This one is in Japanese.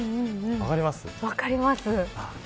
分かります。